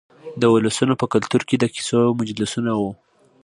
د ولسونو په کلتور کې د کیسو مجلسونه وو.